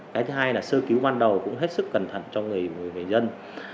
cái thứ hai là sơ cứu ban đầu cũng hết sức cẩn thận cho người dân